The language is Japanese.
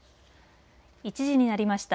１時になりました。